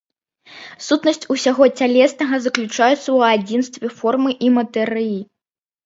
Сутнасць усяго цялеснага заключаецца ў адзінстве формы і матэрыі.